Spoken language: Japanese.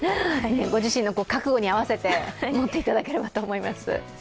ご自身の覚悟に合わせて持っていただければと思います。